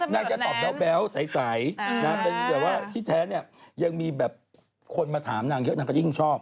นางจะตอบแบ๊วใสเป็นแบบว่าที่แท้เนี่ยยังมีแบบคนมาถามนางเยอะนางก็ยิ่งชอบ